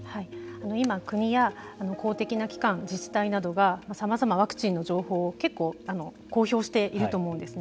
今、国や公的な機関自治体などがさまざまワクチンの情報を結構公表していると思うんですね。